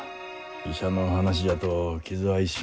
医者の話じゃと傷は一生。